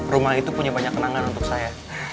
rumah itu punya banyak kenangan untuk saya